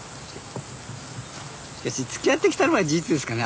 つきあってきたのは事実ですかね